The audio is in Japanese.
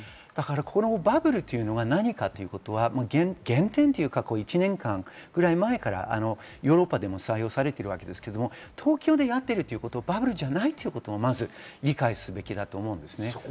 バブルというのは何かということは、１年ぐらい前からヨーロッパでも採用されているわけですが、東京でやっているということはバブルじゃないということを理解すべきだと思います。